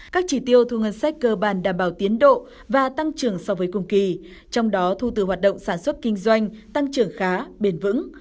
các chỉ tiêu thu ngân sách cơ bản đảm bảo tiến độ và tăng trưởng so với cùng kỳ trong đó thu từ hoạt động sản xuất kinh doanh tăng trưởng khá bền vững